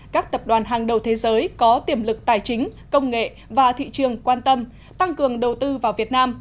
các tập đoàn hàng đầu thế giới có tiềm lực tài chính công nghệ và thị trường quan tâm tăng cường đầu tư vào việt nam